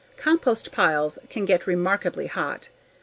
Compost piles can get remarkably hot.